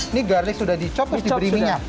ini garlic sudah di chop atau diberi minyak